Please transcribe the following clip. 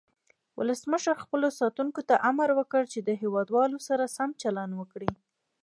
ولسمشر خپلو ساتونکو ته امر وکړ چې د هیواد والو سره سم چلند وکړي.